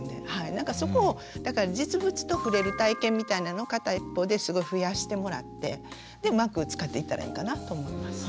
なんかそこをだから実物と触れる体験みたいなのを片一方ですごい増やしてもらってでうまく使っていったらいいかなと思います。